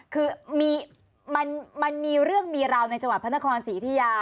คือมีเรื่องมีราวในจังหวัดพศิษยา